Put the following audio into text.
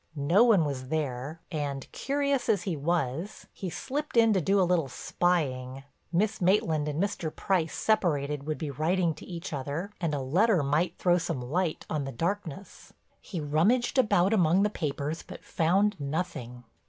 No one was there, and, curious as he was, he slipped in to do a little spying—Miss Maitland and Mr. Price separated would be writing to each other and a letter might throw some light on the darkness. He rummaged about among the papers but found nothing.